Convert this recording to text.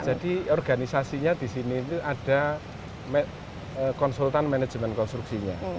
jadi organisasinya di sini ada konsultan manajemen konstruksinya